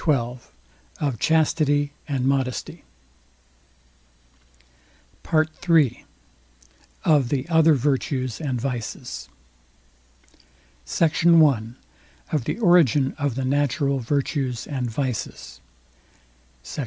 XII OF CHASTITY AND MODESTY PART III OF THE OTHER VIRTUES AND VICES SECT. I OF THE ORIGIN OF THE NATURAL VIRTUES AND VICES SECT.